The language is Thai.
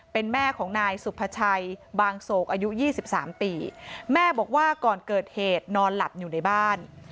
เป็นแม่ของนายสุภาชัยบางโศกอายุ๒๓ปีแม่บอกว่าก่อนเกิดเหตุนอนหลับอยู่ในบ้าน